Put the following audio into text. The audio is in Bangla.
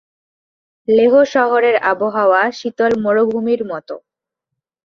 লেহ শহরের আবহাওয়া শীতল মরুভূমির মতো।